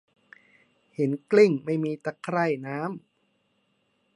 หินกลิ้งไม่มีตะไคร่น้ำ